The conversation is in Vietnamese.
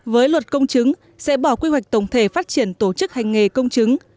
với luật công chứng sẽ bỏ quy hoạch tổng thể phát triển tổ chức hành nghề công chứng